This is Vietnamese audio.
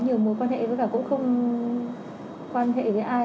điều này cho thấy diễn biến tội phạm này hiện nay vẫn rất phức tạp